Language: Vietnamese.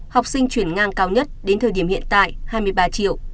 học sinh chuyển ngang cao nhất đến thời điểm hiện tại hai mươi ba triệu